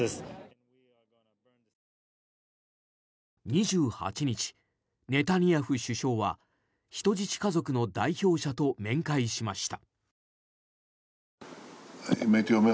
２８日、ネタニヤフ首相は人質家族の代表者と面会しました。